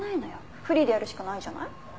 フリーでやるしかないじゃない。